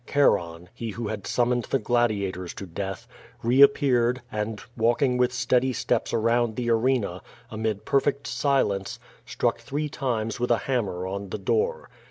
Charon, he who had summoned the gladiators to death, reappeared, and, walking witl| steady stops around the arena, amid perfect silence, strucll three times with a hammer on the door.